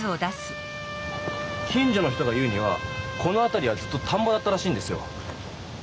近所の人が言うにはこのあたりはずっと田んぼだったらしいんですよ。